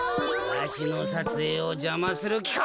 わしのさつえいをじゃまするきか！？